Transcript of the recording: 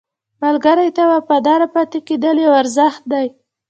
ملګری ته وفادار پاتې کېدل یو ارزښت دی